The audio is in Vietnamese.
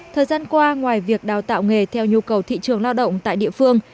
thời gian qua ngoài việc đào tạo nghề theo nhu cầu thị trường lao động tại địa phương